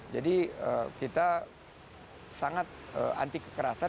jadi kita sangat anti kekerasan